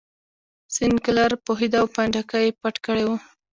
سینکلر پوهېده او پنډکی یې پټ کړی و.